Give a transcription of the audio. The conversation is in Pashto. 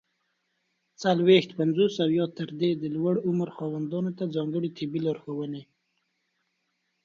څلوېښت، پنځوس او یا تر دې د لوړ عمر خاوندانو ته ځانګړي طبي لارښووني!